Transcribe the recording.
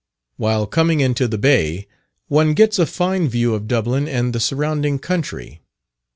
While coming into the bay, one gets a fine view of Dublin and the surrounding country.